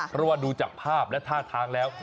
เพราะว่าดูจากภาพและท่าทางแล้ว